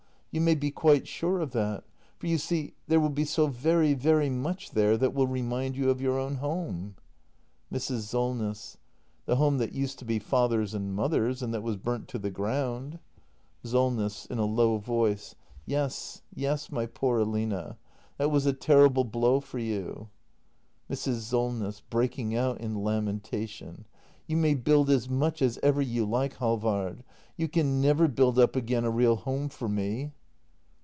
You may be quite sure of that ! For you see — there will be so very, very much there that will remind you of your own home Mrs. Solness. The home that used to be father's and mother's — and that was burnt to the ground Solness. [In a low voice.] Yes, yes, my poor Aline. That was a terrible blow for you. Mrs. Solness. [Breaking out in lamentation.] You may build as much as ever you like, Halvard — you can never build up again a real home for m e